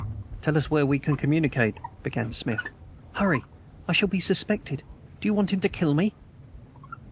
"Tell us where we can communicate," began Smith. "Hurry. I shall be suspected. Do you want him to kill me!"